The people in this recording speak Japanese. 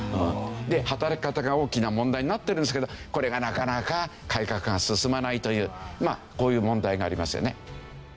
働き方が大きな問題になってるんですけどこれがなかなか改革が進まないというまあこういう問題がありますよね。